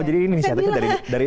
oh jadi ini insiatifnya dari